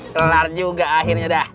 kelar juga akhirnya dah